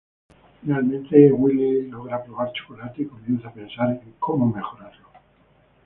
Finalmente, Willy logra probar chocolate y comienza a pensar en cómo mejorarlo.